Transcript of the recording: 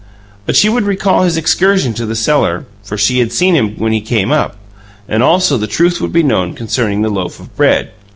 But she would recall his excursion to the cellar, for she had seen him when he came up; and also the truth would be known concerning the loaf of bread.